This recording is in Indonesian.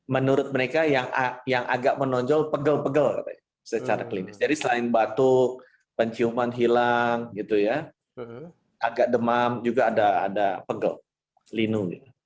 menurut mereka yang agak menonjol pegel pegel secara klinis jadi selain batuk penciuman hilang agak demam juga ada pegel linu